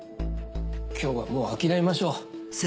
今日はもう諦めましょう。